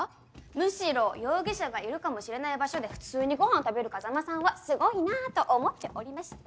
むしろ容疑者がいるかもしれない場所で普通にごはんを食べる風真さんはすごいなと思っておりました。